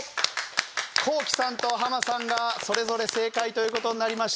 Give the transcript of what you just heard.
コウキさんとハマさんがそれぞれ正解という事になりました。